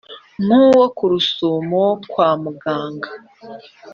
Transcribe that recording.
nk’uwo ku rusumo kwa mugara